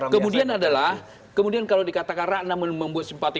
kemudian adalah kemudian kalau dikatakan ratna membuat simpati